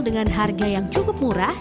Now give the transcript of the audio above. dengan harga yang cukup murah